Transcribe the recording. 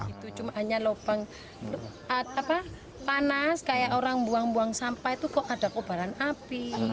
itu cuma hanya lubang panas kayak orang buang buang sampah itu kok ada kobaran api